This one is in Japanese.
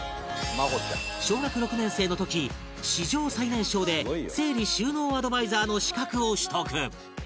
小学６年生の時史上最年少で整理収納アドバイザーの資格を取得